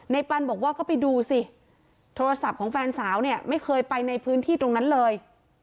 ปันบอกว่าก็ไปดูสิโทรศัพท์ของแฟนสาวเนี่ยไม่เคยไปในพื้นที่ตรงนั้นเลย